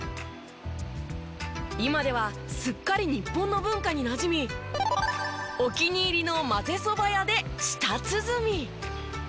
今ではすっかり日本の文化になじみお気に入りのまぜそば屋で舌鼓。